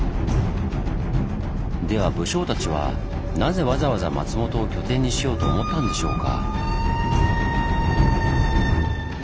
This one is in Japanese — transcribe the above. では武将たちはなぜわざわざ松本を拠点にしようと思ったんでしょうか？